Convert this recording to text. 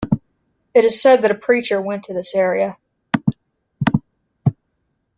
It is said that a preacher went to this area.